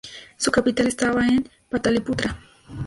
Su capital estaba en Pataliputra.